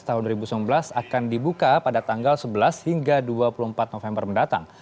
tahun dua ribu sembilan belas akan dibuka pada tanggal sebelas hingga dua puluh empat november mendatang